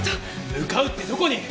向かうってどこに？